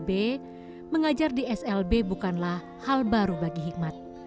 dan mengajar di smpt bukanlah hal baru bagi hikmat